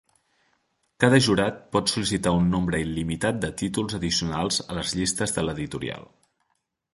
Cada jurat pot sol·licitar un nombre il·limitat de títols addicionals a les llistes de l'editorial.